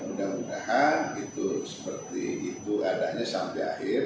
mudah mudahan itu seperti itu adanya sampai akhir